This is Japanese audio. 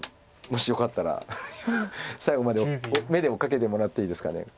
もしよかったら最後まで目で追っかけてもらっていいですか。